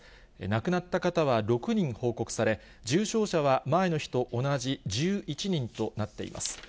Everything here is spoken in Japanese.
亡くなった方は６人報告され、重症者は前の日と同じ１１人となっています。